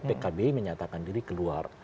pkb menyatakan diri keluar